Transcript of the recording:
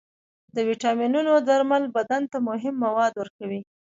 د ویټامینونو درمل بدن ته مهم مواد ورکوي.